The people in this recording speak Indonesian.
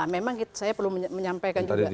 memang saya perlu menyampaikan juga